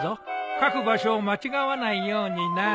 書く場所を間違わないようにな。